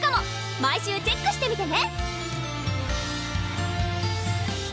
毎週チェックしてみてね！